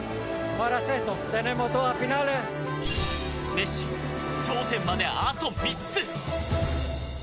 メッシ、頂点まであと３つ。